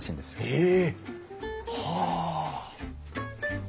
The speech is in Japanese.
ええ！はあ！